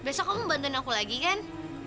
besok kamu bantuin aku lagi kan